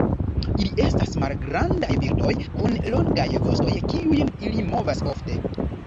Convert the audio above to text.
Ili estas malgrandaj birdoj kun longaj vostoj kiujn ili movas ofte.